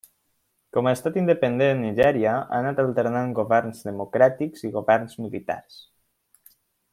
Com a estat independent, Nigèria ha anat alternant governs democràtics i governs militars.